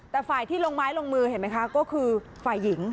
แต่ฝ่ายที่ลงไม้ลงมือเห็นไหมคะก็คือฝ่ายหญิง